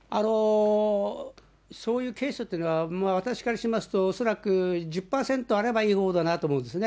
そういうケースというのは、私からしますと、恐らく１０％あればいいほうだなと思うんですね。